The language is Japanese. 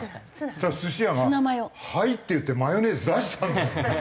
そしたら寿司屋が「はい」って言ってマヨネーズ出したんだよ。